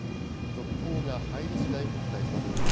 続報が入りしだい、お伝えします。